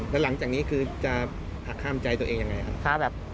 แล้วหลังจากนี้คือจะหักห้ามใจตัวเองยังไงครับ